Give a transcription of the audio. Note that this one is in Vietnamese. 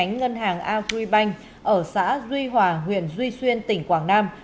ngành ngân hàng agribank ở xã duy hòa huyện duy xuyên tỉnh quảng nam